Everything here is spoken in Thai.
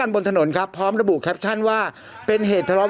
ยื้อย่างปืนกันยังไม่ทราบรายละเอียดเช่นกะชัดเจนนะครับ